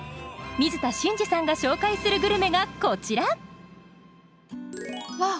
水田信二さんが紹介するグルメがこちらわあ！